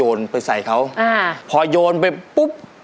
ก็จะโยนไปใส่เขาอ่าพอยโยนไปปุ๊บ